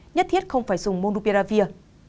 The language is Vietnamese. nhất thiết không phải dùng monopiravir